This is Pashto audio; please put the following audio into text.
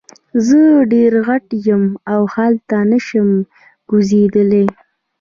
زه ډیر غټ یم او هلته نشم کوزیدلی.